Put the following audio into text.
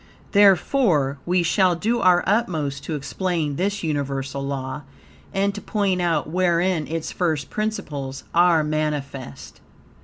Therefore, we shall do our utmost to explain this universal law, and to point out wherein its first principles are manifest.